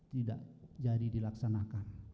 tidak jadi dilaksanakan